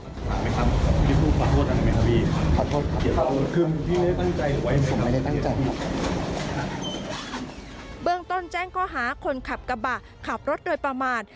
คุมตัวอัฐวิทย์เบื้องต้นแจ้งก็หาคนขับกระบะขับรถโดยประมาณ